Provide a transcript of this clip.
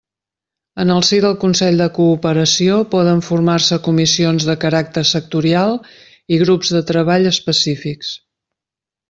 En el si del Consell de Cooperació poden formar-se comissions de caràcter sectorial i grups de treball específics.